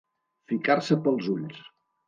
Ficar-se pels ulls.